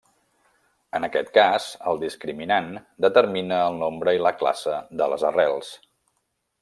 En aquest cas el discriminant determina el nombre i la classe de les arrels.